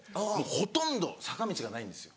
ほとんど坂道がないんですよ。